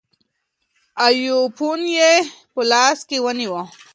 آیفون یې په لاس کې ونیوه.